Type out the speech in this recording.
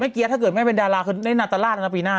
ถ้าเกิดไม่ได้เป็นดาราคือได้นาตาลาสปีหน้า